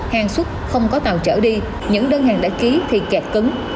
hàng xuất không có tàu chở đi những đơn hàng đã ký thì kẹt cứng